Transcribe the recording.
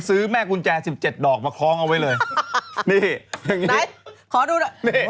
ซื้อแม่กุญแจสิบเจ็ดดอกมาคล้องเอาไว้เลยนี่อย่างงี้ไหนขอดูหน่อย